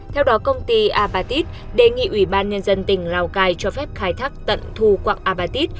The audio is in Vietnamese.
theo đó công ty apatit đề nghị ủy ban nhân dân tỉnh lào cai cho phép khai thác tận thu quạng abatit